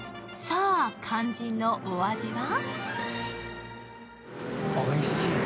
さぁ、肝心のお味は？